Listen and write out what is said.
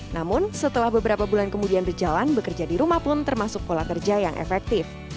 namun setelah beberapa bulan kemudian berjalan bekerja di rumah pun termasuk pola kerja yang efektif